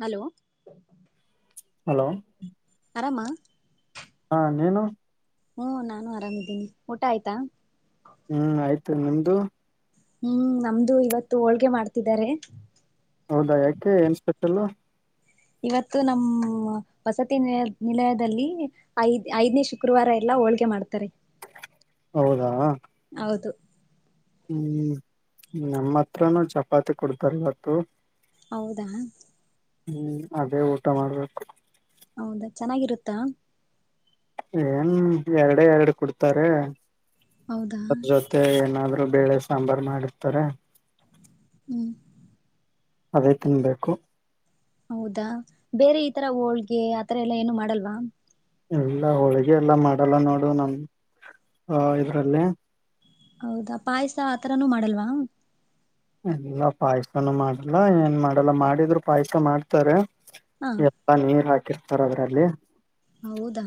Hello hello ಆರಾಮ ಹಾ ನೀನು ಹು ನಾನು ಆರಾಮಿದ್ದೀನಿ ಊಟ ಆಯ್ತಾ? ಹ್ಮ್ ಆಯ್ತು ನಿಮ್ದು ಹ್ಮ್ ನಮ್ದು ಇವತ್ತು ಹೋಳ್ಗೆ ಮಾಡ್ತಿದ್ದಾರೆ ಹೌದಾ ಯಾಕೆ ಏನ್ ಸ್ಪೆಷಲ್ ಇವತ್ತು ನಮ್ಮ ವಸತಿ ನಿಲಯದಲ್ಲಿ ಐದ್ ಐದನೇ ಶುಕ್ರವಾರ ಎಲ್ಲ ಹೋಳ್ಗೆ ಮಾಡ್ತಾರೆ ಹೌದಾ ಹೌದು ವುಂ- ನಮ್ಮ ಹತ್ರನೂ ಚಪಾತಿ ಕೊಡ್ತಾರೆ ಇವತ್ತು ಹೌದಾ ಹುಂ ಅದೇ ಊಟ ಮಾಡ್ಬೇಕು ಹೌದ ಚೆನ್ನಾಗಿರುತ್ತಾ ಏನ್ ಎರಡೇ ಎರಡು ಕೊಡ್ತಾರೆ ಹೌದಾ ಅದ ಜೊತೆ ಏನಾದ್ರು ಬೇಳೆ ಸಾಂಬಾರ್ ಮಾರ್ಡಿತಾರೆ ವು ಅದೇ ತಿನ್ಬೇಕು ಹೌದಾ ಬೇರೆ ಈ ತರ ಹೋಳ್ಗೆ ಆತರ ಎಲ್ಲ ಏನು ಮಾಡಲ್ವಾ ಎಲ್ಲ ಹೋಳಗೆ ಎಲ್ಲ ಮಾಡಲ್ಲ ನೋಡು ನಮಂ-ಒ- ಆ -ಇದ್ರಲ್ಲಿ ಹೌದಾ ಪಾಯಸ ಆತರಾನೂ ಮಾಡಲ್ವಾ ಅ -ಇಲ್ಲ ಪಾಯಸನ್ನೂ ಮಾಡಲ್ಲ ಏನ್ ಮಾಡಲ್ಲ ಮಾಡಿದ್ರು ಪಾಯಸ ಮಾಡ್ತಾರೆ ಹ ಯಪ್ಪಾ ನೀರು ಹಾಕಿ ತರದ್ರಲ್ಲಿ ಅಲ್ಲಿ ಹೌದಾ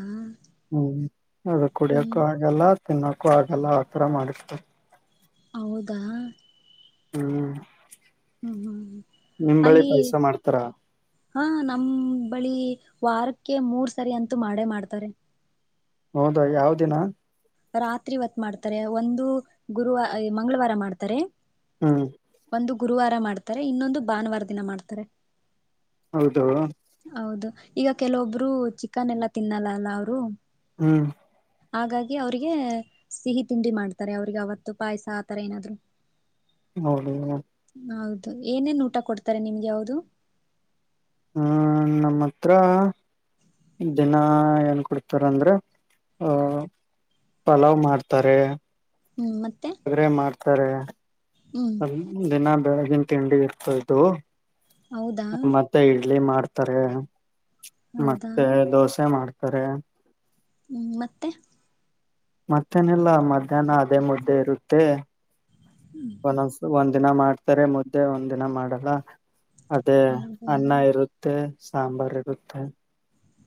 ಅದು ಹ್ಮ್ ಕುಡಿಯಕು ಆಗಲ್ಲ ತಿನ್ನೋಕ್ಕು ಆಗಲ್ಲ ಆ ಥರ ಮಾಡಿಸ್ತಾರ್ ಹೌದಾ ಹ್ಮ್ ಹ್ಮ್ ಹ್ಮ್ ಹ್ಮ್ ನಿಂಬಳಿ ಅಲ್ಲಿ ಪಾಯಸ ಮಾಡ್ತಾರ ಹಾ ನಮ್ ಬಳಿ ವಾರಕ್ಕೆ ಮೂರ್ ಸರಿ ಅಂತೂ ಮಾಡೇ ಮಾಡ್ತಾರೆ. ಹೌದಾ ಯಾವ್ ದಿನ? ರಾತ್ರಿ ಹೊತ್ ಮಾಡ್ತಾರೆ ಒಂದು ಗುರುವ ಮಂಗಳವಾರ ಮಾಡ್ತಾರೆ. ಹ್ಮ್ ಒಂದು ಗುರುವಾರ ಮಾಡ್ತಾರೆ ಇನ್ನೊಂದು ಭಾನುವಾರ ದಿನ ಮಾಡ್ತಾರೆ. ಹೌದು ಹೌದು ಈಗ ಕೆಲವೊಬ್ರು ಚಿಕನ್ ಎಲ್ಲಾ ತಿನ್ನಲ್ಲ ಅಲ್ಲ ಅವರು ಹ್ಮ್ ಹಾಗಾ ಅವ್ರಿಗೆ ಸಿಹಿ ತಿಂಡಿ ಮಾಡ್ತಾರೆ ಅವ್ರಿಗೆ ಅವತ್ತು ಪಾಯ್ಸ ಆತರ ಏನಾದ್ರು. [unintelligible] ಹೌದು ಏನೇನ್ ಊಟ ಕೊಡ್ತಾರೆ ನಿಮ್ಗೆ ಅವ್ರು ಹ್ಮ್ ನಮ್ ಹತ್ರ ದಿನ ಏನ್ ಕೊಡ್ತಾರಂದ್ರೆ ಆ ಪಲಾವ್ ಮಾಡ್ತಾರೆ. ಹ್ಮ್ ಮತ್ತೆ ತಾರೆ ಹ್ಮ್ ಅಲ್ಲ್ ದಿನ ಬೆಳ್ ನಿಮ್ಮ್ ತಿಂಡಿಯತ್ತೋಂತ್ತು ಹೌದಾ ಅ- ಮತ್ತೇ ಹೇಳ್ ಎಲ್ಲಿ ಮಾಡ್ತಾರೆ ಹೌದಾ ಮತ್ತೆ ದೋಸೆ ಮಾಡ್ತ ಸರೇ ಹ್ಮ್ ಮತ್ತೆ ಮತ್ತೇನಲ್ಲ ಮಧ್ಯಾಹ್ನ ಅದೇ ಮುದ್ದೆ ಇರುತ್ತೆ ಒನ್ಸುಂಸು ಒಂನ್ ಒಂದ ದಿನ ಮಾಡ್ತಾರೆ ಮುದ್ದೆ ಒಂದ್ ದಿನ ಮಾಡಲ್ಲ ಅದೇ ಹೌದಾ ಅನ್ನ ಇರುತ್ತೆ ಸಾಂಬಾರಟುತ್ತ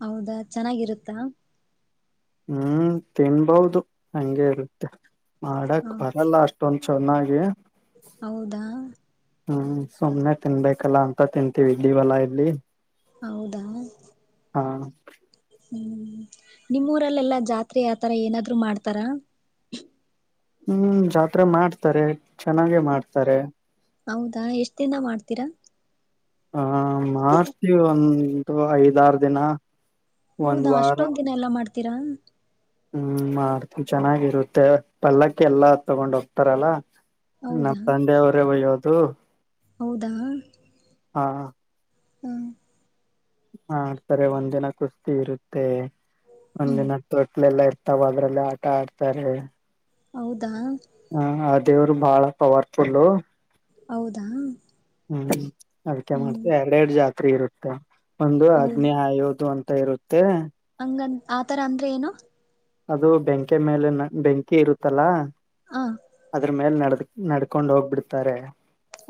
ಹೌದಾ ಚೆನ್ನಾಗಿರುತ್ತಾ ಹು-ತಿನ್ಬಹುದು ಅಂಗೆ ಇರುತ್ತೆ ಮಾಡಕ್ಕ್ ಬರಲ್ಲ ಅಷ್ಟ್ ೊಂದು ಚೆನ್ನಾಗಿ ಹೌದಾ ಹ್ಮ್ ಸುಮ್ನೆ ತಿನ್ಬೇಕಲ್ಲ ಅಂತ ತಿಂತೀವಿ ಇೀವಲಾ ಇಲ್ಲಿ ಹೌದಾ ಹಾ ಓಂ- ನಿಮ್ಮೂರಲ್ಲೆಲ್ಲಾ ಜಾತ್ರೆ ಆತರ ಏನಾದ್ರು ಮಾಡ್ತಾರ ಹ್ಮ್ ಜಾತ್ರೆ ಮಾಡ್ತಾರೆ ಚೆನ್ನಾಗೆ ಮಾಡ್ತಾರೆ ಹೌದಾ ಎಷ್ಟ ದಿನ ಮಾಡ್ತೀರಾ ಆ ಆ- ಮಾರ್ಚ್ ಒಂದು ಐದಾರು ದಿನ ಒಂದ್ ಹೌದಾ ಅಷ್ಟೊಂದ ದಿನ ಎಲ್ಲ ಮಾಡ್ತ್ ತಿಿರಂಗ ಊ- ಮಾಡ್ತೀ ಚೆನ್ನಾಗಿರುತ್ತೆ ಪಲ್ಲಕ್ಕೆ ಎಲ್ಲಾ ತಗೊಂಡ್ ಹೋಗ್ತಾರಲ್ಲ ನಮ್ಮ ಹೌದಾ ತಂದೆವರೇ ಒಯ್ಯೋದು ಹೂಂ ಹೌದಾ ಆ ಹ್ಮ ಹಾಡ್ತಾರೆ ಒಂದ್ ದಿನ ಕುಸ್ತಿ ಇರುತ್ತೆ ಹ್ಮ್ ಒಂದಿನ ತ ಒಟ್ಲೆ ಎಲ್ಲಾ ಇರ್ತ ತಾವ ಅದ್ರಲ್ಲಿ ಆಟ ಆಡ್ತಾರೆ ಹೌದಾ. ಹಾ ಅ ದೇವ್ರು ಬಾಳ ಪವರ್ಫುಲ್ಲ ಹೌದಾ. ಹ್ಮ ಅಡಿಕೆ ಮಾಡ್ತ ಹ್ಮ್ ಎರಡೆ ಎರಡು ಜಾಗ [unintelligible] ಇರುತ್ತೆ ಒಂದು ಹೌದ ಹದ್ನೇ [unintelligible] [unintelligible] ತ ಇರುತ್ತೆ ಹಂಗ ಆತರ ಅಂದ್ರೆ ಏನು. ಅದು ಬೆಂಕಿ ಮೇಲೆ ನ ಬೆಂಕಿ ಇರುತ್ತಲ್ಲಾ ಹ ಅದ್ರ ಮೇಲೆ ನಡತ ನಡ್ಕೊಂಡ ಹೋಗ್ಬಿಡ್ತಾರೆ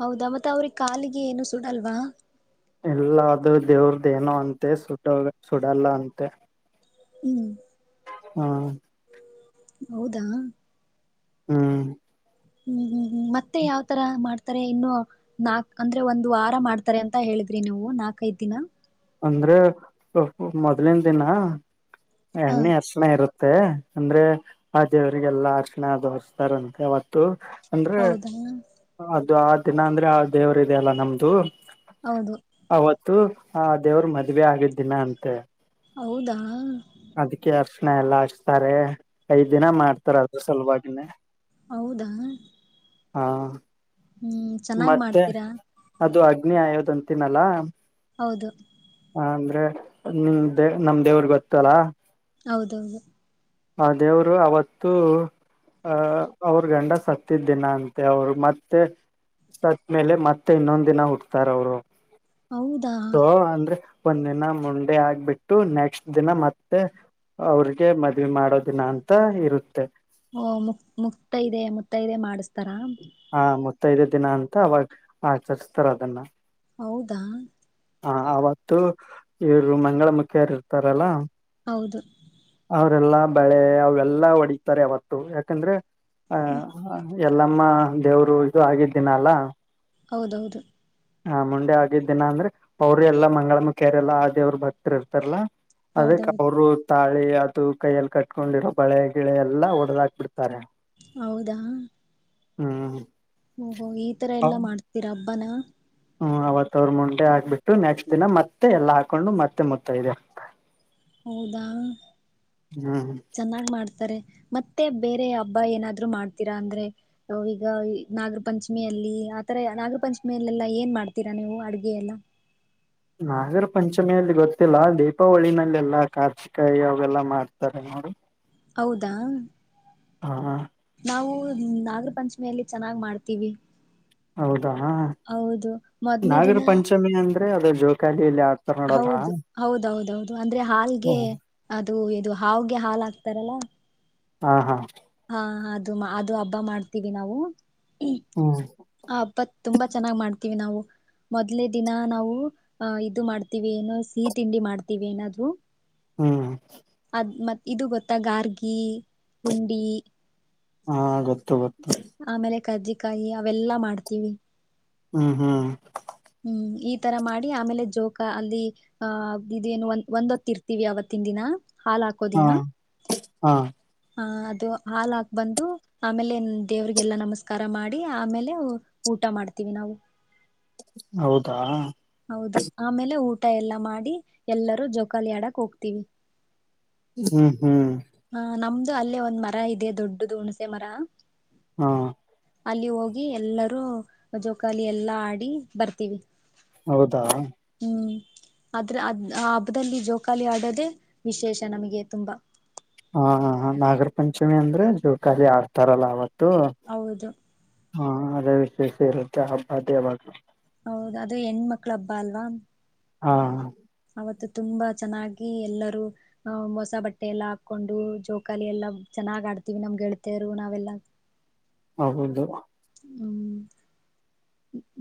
ಹೌದಾ ಮತ್ತೆ ಅವ್ರಿಗೆ ಕಾಲಿಗೆ ಏನು ಸುಡಲ್ವಾ. ಎಲ್ಲ ಅದು ದೇವ್ರದ ಏನೋ ಅಂತೆ ಸುಟ ಸುಡಲ್ಲ ಅಂತೆ. ಹ್ಮ್. ಹ್ಮ ಹೌದಾ ಹ್ಮ್ ಹ್ಮ್ ಹ್ಮ್ ಮತ್ತೆ ಯಾವ್ತರ ಮಾಡ್ತಾರೆ ಇನ್ನು ನಾಕ್ ಅಂದ್ರೆ ಒಂದು ವಾರ ಮಾಡ್ತಾರೆ ಅಂತ ಹೇಳಿದ್ರಿ ನೀವು ನಾಕೈದ ದಿನ. ಅಂದ್ರೆ ಮೊದ್ಲಿನ ದಿನ ಹ ಎಣ್ಣೆ ಅಶಣ ಇರುತ್ತ ಮತ್ತ ಅಂದ್ರೆ ಆ ದೇವರಿಗೆಲ್ಲಾ ಅರ್ಚಣೆ [unintelligible] ಅವತ್ತು. ಅಂದ್ರೆ ಹೌದಾ ಇದು ಆ ದಿನ ಅಂದ್ರೆ ಆ ದೇವರುದೆ ಅಲ್ಲ ನಮ್ದು. ಹೌದು ಅವತ್ತು ಹಾ ದೇವ್ರರು ಮದ್ವೆ ಆಗಿದ್ದಿನ ಅಂತೆ ಹೌದಾ. ಅದಕ್ಕೆ ಅರ್ಶಣ ಎಲ್ಲ ಹಚ್ತಾರೆ ಐದ್ ದಿನ ಮಾಡ್ತಾರ ಅದ ಸಲಭಾಗಿನೇ. ಹೌದಾ. ಹಾ ಹ್ಮ್ ಚೆನ್ನಾಗ್ ಮಾಡ್ತೀರಾ. ಆಯೂದ ಅಂತಿನಲ್ಲಾ ಹೌದು. ಹ ಅಂದ್ರೆ ನಿಮ ದೇವ ನಮ ದೇವ್ರ ಗೊತ್ತಲ್ಲಾ ಹೌದೌದು ಆ ದೇವ್ರು ಅವತ್ತುೂ ಅಹ ಅವ್ರ ಗಂಡ ಸತ್ತಿದ್ದಿನ ಅಂತೆ ಅವರು ಮತ್ತೆ. ಸತಮೇಲ ಮತ್ತೆ ಇನ್ನೊಂದ ದಿನ ಹುಟ್ಟತಾರ ಅವರು ಹೌದಾ [unintelligible] ಅಂದ್ರೆ ಒಂದ ದಿನ ಮುಂಡೆ ಆಗ್ಬಿಟ್ಟು ನೆಕ್ಸ್ಟ್ ದಿನ ಮತ್ತೆ ಅವ್ರಿಗೆ ಮದ್ವಿ ಮಾಡೋ ದಿನ ಅಂತ ಇರುತ್ತೆ ಓ ಮುಕ್ ಮುಕ್ತ ಮುತ್ತೈದೆ ಮಾಡಿಸತಾರ. ಹಾ ಮ. ಮುತ್ತೈದೇ ದಿನ ಅಂತ ಅವಾಗ ಆಚರಿಸ್ತಾರ ಅದನ್ನ ಹೌದಾ ಹ ಅವತ್ತು ಇವರು ಮಂಗಳ ಮುುಖಿಯರು ಇರ್ತಾರಲ್ಲ ಹೌದು ಅವ್ರಲ್ಲಾ ಬೆಳೆ ಅವೆಲ್ಲಾ ಒಡತಾರೆ ಅವತ್ತು ಯಾಕಂದ್ರೆ ಹಾ ಹ ಎಲ್ಲಮ್ಮ ದೇವ್ರು ಇದು ಆಗಿದ್ದಿನ ಅಲ್ಲ ಹೌದೌದು ಹಾ ಮುಂಡೆ ಆಗಿದ್ದ ದಿನ ಅಂದ್ರೆ ಅವ್ರ ಎಲ್ಲಾ ಮಂಗಳ ಮುಖ್ಯರೆ ಎಲ್ಲ ಆ ದೇವ್ರ ಭಕ್ತ್ ಇರ್ತಾರಲ್ಲಾ. ಅದಕ್ಕೆ ಹೌದೌದು ಅವರು. ತಾಳಿ ಅದು ಕೈಯಲ್ಲಿ ಕಟ್ಕೊಂಡಿರೋ ಬಳೆ ಗಿಳೆ ಎಲ್ಲ ಒಡೆದಾಕ್ ಬಿಡ್ತಾರೆ ಹೌದಾ ಹ್ಮ. ಹಓ ಹೋ ಈ ತರ ಎಲ್ಲಾ ಮಾಡ್ತೀರಾಬ್ ಬನ ಹ್ಮ್ ಅವತ್ ಅವ್ರ ಮುಂಡೆ ಹಾಕ್ಬಿಟ್ಟು ನೆಕ್ಸ್ಟ್ ದಿನ ಮತ್ತೆ ಎಲ್ಲಾ ಹಾಕೊಂಡು ಮತ್ತೆ ಮುತ್ತೈದೆ ಹೌದಾ ಹ್ಮ್ ಚೆನ್ನಾಗ್ ಮಾಡ್ತಾರೆ. ಮತ್ತೆ ಬೇರೆ ಹಬ್ಬ ಏನಾದ್ರು ಮಾಡ್ತೀರಾ ಅಂದ್ರೆ ಈಗ ಇ ನಾಗರ ಪಂಚಮಿಯಲ್ಲಿ ಆತರ ನಾಗರ ಪಂಚಮಿಯಲ್ಲೆಲ್ಲಾ ಏನ್ ಮಾಡ್ತೀರಾ ನೀವು ಅಡುಗೆ ಎಲ್ಲ? ನಾಗರ ಪಂಚಮಿಯಲ್ಲಿ ಗೊತ್ತಿಲ್ಲ ದೀಪಾವಳಿನಲ್ಲೆಲ್ಲಾ ಕಾರ್ತಿಕ ಯಾಗೆಲ್ಲ ಮಾಡ್ತಾರೆ ನೋಡಿ. ಹೌದಾ ಹಾ ನಾವು ನಾಗರ ಪಂಚಮಿಯಲ್ಲಿ ಚೆನ್ನಾಗ್ ಮಾಡ್ತೀವಿ. ಹೌದಾ ಹೌದು ಮೊದ್ಲ್ನೇ ನಾಗರ ದಿನ ಪಂಚಮಿ ಅನ್ ಅಂದ್ರೆ ಅದೇ ಜೋಕಾ ಹೌದು ಹೌದೌದೌದು ಅಂದ್ರೆ ಹಾಲ್ಗೆ ಅದು ಇದು ಹಾವ್ಗೆ ಹಾಲ್ ಹಾಕ್ತಾರಲ್ಲ. ಹಾ ಹಾ ಹಾ ಹ ಅದು ಅದು ಹಬ್ಬ ಮಾಡ್ತೀವಿ ನಾವು ಹ್ಮ ಹಬ್ಬತ್ ತುಂಬಾ ಚೆನ್ನಾಗ್ ಮಾಡ್ತೀವಿ ನಾವು ಮೊದ್ಲೇ ದಿನ ನಾವು ಅಹ ಇದು ಮಾಡ್ತೀವಿ ಏನೋ ಸಿಹಿ ತಿಂಡಿ ಮಾಡ್ತೀವಿ ಏನಾದ್ರು ಹ್ಮ್ ಅದ್ ಮತ್ ಇದು ಗೊತ್ತಾ ಗಾರ್ಗಿ ಹುಂಡಿ ಹಾ ಗೊತ್ತು ಗೊತ್ತು ಆಮೇಲೆ ಕರ್ಜಿಕಾಯಿ ಅವೆಲ್ಲಾ ಮಾಡ್ತೀವಿ. ಹ್ಮ್ ಹ್ಮ್ ಹ್ಮ್ ಈ ತರ ಮಾಡಿ ಆಮೇಲೆ ಜೋಕ ಅಲ್ಲಿ ಆಹ ಇದೇನು ಒಂದ ಒಂದೊತ್ತ ಇರ್ತೀವಿ ಆವತ್ತಿನ ದಿನ. ಹಾಲ್ ಹಾ ಹಾಕೋದಿನ. ಹಾ ಹಾಲ್ ಹಾಕ್ ಬಂದು ಆಮೇಲೆ ದೇವ್ರಿಗೆಲ್ಲ ನಮಸ್ಕಾರ ಮಾಡಿ ಆಮೇಲೆ ಊಟ ಮಾಡ್ತೀವಿ ನಾವು ಹೌದಾ. ಹೌದು ಆಮೇಲೆ ಊಟ ತತ ಎಲ್ಲ ಮಾಡಿ ಎಲ್ಲರೂ ಜೊಕಾಲಾಡಕ್ ಹೋಗ್ತೀವಿ ಹ್ಮ್ ಹ್ಮ್. ಆ ನಮ್ದು ಅಲ್ಲೇ ಒಂದ್ ಮರ ಇದೆ ದೊಡ್ಡದು ಹುಣಸೆ ಮರ ಹಾ ಅಲ್ಲಿ ಹೋಗಿ ಎಲ್ಲರೂ ಜೋಕಾಲ ಎಲ್ಲಾ ಆಡಿ ಬರ್ತೀವಿ ಹೌದಾ ಹ್ಮ್ ಆದ್ರೆ ಅದ ಹಬ್ಬದಲ್ಲಿ ಜೋಕಾಲಿ ಆಡೋದೆೇ ವಿಶೇಷ ನಮಗೆ ತುಂಬಾ ಹಾ ನಾಗರ ಪಂಚಮಿ ಅಂದ್ರೆ ಜೋಕಖಾಲಿ ಆಡ್ತಾರಲ್ಲ ಅವತ್ ಹೌದು ಹಾ ಅದವಿ ರೇ ವುದೇ ಅಖಿಲ ಬಾದ್ ಹೌದದು ಅದುೇ ಹೆಣ್ಮಕ್ಳ ಹಬ್ಬಾ ಅಲ್ವಾ ಹಾ ಅವತ್ತು ತುಂಬಾ ಚೆನ್ನಾಗಿ ಎಲ್ಲರೂ ಮೋಸ ಬಟ್ಟೆ ಎಲ್ಲಾ ಹಾಕೊಂಡು ಜೋಕಾಲಿ ಎಲ್ಲ ಚೆನ್ನಾಗ್ ಆಡ್ತೀವಿ ನಮ್ಗೆ ಗೆಳತಿಯರು ನಾವೆಲ್ಲ ಹೌದು ಹ್ಮ್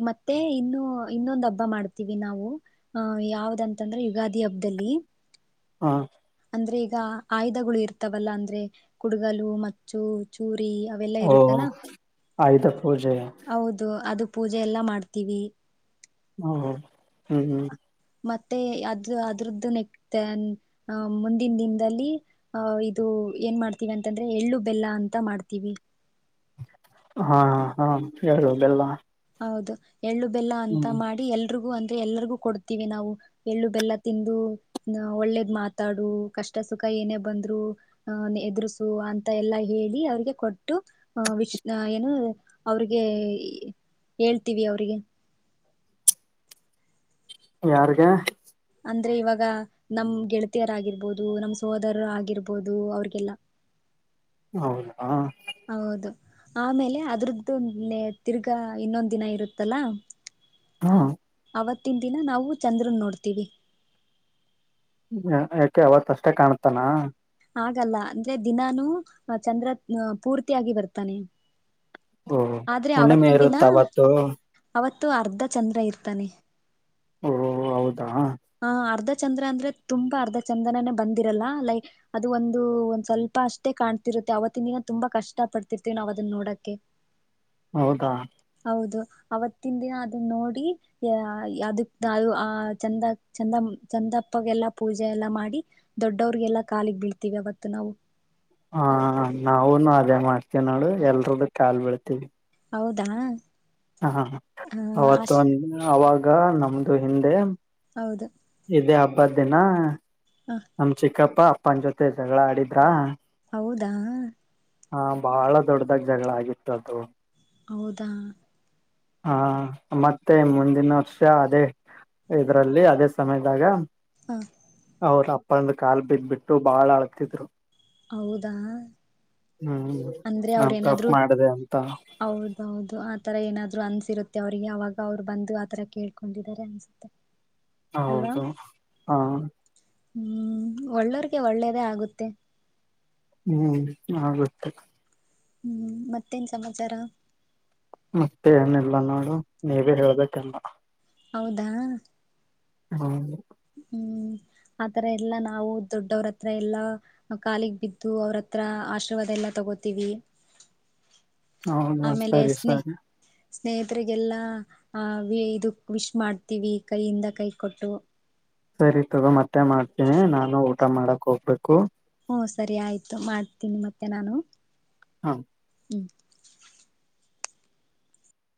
ಮತ್ತೆ ಇನ್ನು ಇನ್ನೊಂದು್ ಹಬ್ಬ ಮಾಡ್ತೀವಿ ನಾವು ಅಹ್ ಯಾವ್ದಂತಂದ್ರೆ ಯುಗಾದಿ ಹಬ್ಬದಲ್ಲಿ ಅ- ಅಂದ್ರೆ ಈಗ ಆಯುಧಗಳು ಇರ್ತಾವಲ್ಲ ಅಂದ್ರೆ ಕುಡಗಲು ಮಚ್ಚು ಚೂರು ಈ ಅವೆಲ್ಲಾ ಇರುತ್ತಲ್ಲಾ ಆಯ್ಿತ ಹೌದು ಅದು ಪೂಜೆ ಎಲ್ಲ ಮಾಡ್ತೀವಿ ಹ್ಮ ಹ ಹ್ಮ್ ಹ್ಮ್. ಮತ್ತೆ ಅದು ಅದ್ರದ್ದು ನೆಕ್ತ ಅಹ ಮುಂದಿನ ದಿನದಲ್ಲಿ ಅಹ ಇದು ಏನ್ ಮಾಡ್ತೀವಿ ಅಂತಂದ್ರೆ ಎಳ್ಳು ಬೆಲ್ಲ ಅಂತ ಮಾಡ್ತೀವಿ ಹಾ ಹಾ ಹೇಳುವದೆಲ್ಲ ಹೌದು ಎಳ್ಳು ಬೆಲ್ಲ ಅಂತ ಮಾಡಿ ಎಲ್ರಿಗೂ ಅ ಎಲ್ಲರಿಗೂ ಕೊಡ್ತೀವಿ ನಾವು ಎಳ್ಳು ಬೆಲ್ಲ ತಿಂದು ಓ- ಒಳ್ಳೇದ್ ಮಾತಾಡು ಕಷ್ಟ ಸುಖ ಏನೇ -ಓ- ಬಂದ್ರು ಅ ಎದುರಿಸು ಅಂತ ಎಲ್ಲಾ ಹೇಳಿ ಅವ್ರಿಗೆ ಕೊಟ್ಟು ಅ ವಿಷ್ ಏನು ಅವ್ರಿಗೆ ಹೇಳ್ತೀವಿ ಅವ್ರರಿಗೆ ಯಾರಿಗೆ. ಅಂದ್ರೆ ಇವಾಗ ನಮ್ ಗೆಳತಿಯರ್ ಆಗಿರ್ಬೋದು ನಮ್ ಸೋದರ ಆಗಿರ್ಬೋದು ಅವ್ರಿಗೆಲ್ಲ ಹೌದಾ ಅ- ಹೌದು ಆಮೇಲೆ ಅದ್ರದ್ದು ತಿರ್ಗಾ ಇನ್ನೊಂದ ದಿನ ಇರುತ್ತಲ್ಲಾ ಹು. ಆವತ್ತಿನ ದಿನ ನಾವು ಚಂದ್ರನ್ ನೋಡ್ತೀವಿ ಯಾಕೆ ಅವತ್ ಅಷ್ಟೇ ಕಾಣತಾನ ಆಲ್ಲ ಅಂದ್ರೆ ದಿನಾನೂ ಚಂದ್ರ ಪೂರ್ತಿಯಗ ಬರ್ತಾನೆ ಓ ಆದ್ರೆ ಹುಣ್ಣಿಮೆ ಇರುತ್ ಅವತ್ತು. ಇ ಅರ್ಧ ಚಂದ್ರ ಇರ್ತಾನೆ ಓ ಹೌದು ಹಾ ಅರ್ಧ ರ್ ಚಂದ್ರ ಅಂದ್ರೆ ತುಂಬಾ ಅರ್ಧ ಚಂದ್ರನನೇ ಬಂದಿರಲ್ಲ ಲೈಕ್ ಅದು ಒಂದು ಒಂದ್ ಸ್ವಲ್ಪ ಅಷ್ಟೇ ಕಾಣ್ತಿರುತ್ತೆ ಅವತ್ತಿನಿನ ತುಂಬಾ ಕಷ್ಟ ಪಡ್ತಿರ್ತೀವಿ ನಾವವು ಅದನ್ನ ನೋಡಕ್ಕೆ ಹೌದಾ ಹೌದು ಅವತ್ತಿನ ದಿನ ಅದನ್ನ ನೋಡಿ ಯ ಅದಕ್ ಅ ಚಂದ ಚಂದ ಚಂದಪ್ಪಗೆಲ್ಲಾ ಪೂಜೆ ಎಲ್ಲಾ ಮಾಡಿ ದೊಡ್ಡವ್ರಿಗೆಲ್ಲಾ ಕಾಲಿಗ್ ಬೀಳ್ತೀವಿ ಅವತ್ತು ನಾವು ಹ ನಾವೂನು ಅದೇ ಮಾಡ್ತೀವಿ ನೋಡು ಎಲ್ರದ್ದು ಕಾಲ್ ಬೆೀಳ್ತೀವಿ ಹೌದ್ದಾ ಹಾ ಅವತ್ತು ಒನ್ ಅವಾಗ ಈಗ ನಮ್ದು ಹಿಂದೆ. ಹೌದು ಪದೆನಾ. ಹ ನಮ್ ಚೆಕಪ್. ಅಪ್ಪ ಅಪ್ಪನ ಜೊತೆ ಜಗಳ ಆಡಿದ್ರಾ ಹೌದಾ ಹಾ ಬಹಳ ದೊಡ್ದಾಗ್ ಜಗಳ ಆಗಿತ್ತದು ಹೌದಾ ಹಾ ಮತ್ತೆ ಮುಂದಿನ ವರ್ಷ ಅದೇ ಇದ್ರಲ್ಲಿ ಅದೇ ಸಮಯದಾಗ ಹಾ ಅವ್ರ ಅಪ್ಪಂದು ಕಾಲ್ ಬಿದ್ಬಿಟ್ಟು ಬಾಳ್ ಅಳ್ತಿದ್ರು. ಹೌದಾ ಹ್ಮ್ ಅಂದ್ರೆ ಅವ್ರ ನಾನ್ ತಪ್ಪ ಏನಾದ್ರು ಮಾಡಿದೆ ಅಂತ ಹೌದೌದು ಆತರ ಏನಾದ್ರು ಅನ್ಸ್ ಇರುತ್ತೆ ಅವರಿಗೆ ಅವಾಗ ಅವ್ರು ಬಂದು ಆಥರ ಕೇಳ್ಕೊಂಡಿದ್ದಾರೆ ಅನ್ಸುತ್ತೆ. ಅಲ್ವಾ ಹೌದು ಅ ಹ್ಮ್ ಒಳ್ಳೋರ್ಗೆ ಒಳ್ಳೇದೇ ಆಗುತ್ತೆ. ಹ್ಮ್ ಆಗುತ್ತೆ ಹ್ಮ್ ಮತ್ತೇನ್ ಸಮಾಚಾರ. ಮತ್ತೆ ಏನಿಲ್ಲ ನೋಡು ನೀವೇ ಹೇಳ್ಬೆಕ್ಕೆಲ್ಲ. ಹೌದಾ ಹೌದು ಹ್ಮ್ ಆತರ ಎಲ್ಲಾ ನಾವು ದೊಡ್ಡವ್ರತ್ರ ಎಲ್ಲಾ ಕಾಲಗ್ ಬಿದ್ದು ಅವ್ರತ್ರ ಆಶೀರ್ವಾದ ಎಲ್ಲಾ ತಗೋತೀವಿ. ಹೌದಾ ಸರಿ ಸರಿ ಸ್ನೇಹಿತರಿಗೆಲ್ಲ ಆ ವಿ ಇದು ವಿಶ್ ಮಾಡ್ತೀವಿ ಕೈಯಿಂದ ಕೈ ಕೊಟ್ಟು. ಸರಿ ತಗೋ ಮತ್ತೆ ಮಾಡ್ತೀನಿ ನಾನು ಊಟ ಮಾಡಕ್ ಹೋಗ್ಬೇಕು. ಹ ಸರಿ ಆಯ್ತು ಮಾಡ್ತೀನಿ ಮತ್ತೆ ನಾನು ಹ ಹ್ಮ್